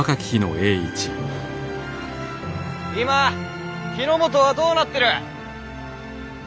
今日の本はどうなってる？